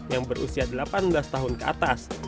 yang berusia delapan belas tahun ke atas